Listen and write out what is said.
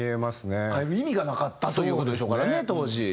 変える意味がなかったという事でしょうからね当時。